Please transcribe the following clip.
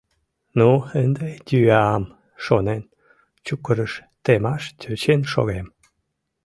«Ну, ынде йӱам!» — шонен, чукырыш темаш тӧчен шогем.